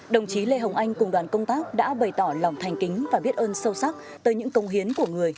đồng chí lê hồng anh cùng đoàn công tác đã bày tỏ lòng thành kính và biết ơn sâu sắc tới những công hiến của người